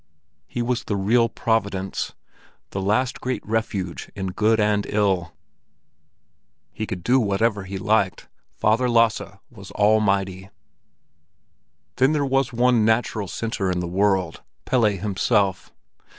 He was the real Providence, the last great refuge in good and ill; he could do whatever he liked—Father Lasse was almighty. Then there was one natural centre in the world—Pelle himself.